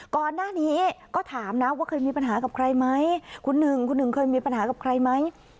ก่อนหน้านี้ก็ถามนะว่าเคยมีปัญหากับใครไหมคุณหนึ่งคุณหนึ่งเคยมีปัญหากับใครไหม